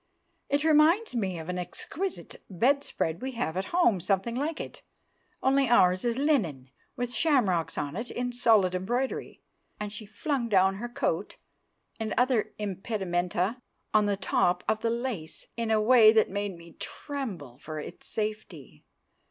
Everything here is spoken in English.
"It reminds me of an exquisite bedspread we have at home something like it, only ours is linen, with shamrocks on it in solid embroidery." And she flung down her coat and other impedimenta on the top of the lace in a way that made me tremble for its safety.